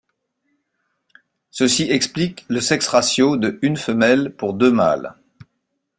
Ceci explique le sex-ratio de une femelle pour deux mâles.